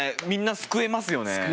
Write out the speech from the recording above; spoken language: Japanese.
みんな救えますよね。